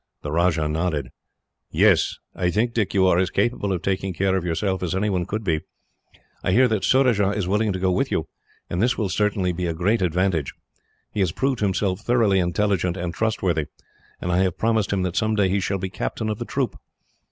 The Rajah nodded. "Yes. I think, Dick, you are as capable of taking care of yourself as anyone could be. I hear that Surajah is willing to go with you, and this will certainly be a great advantage. He has proved himself thoroughly intelligent and trustworthy, and I have promised him that someday he shall be captain of the troop.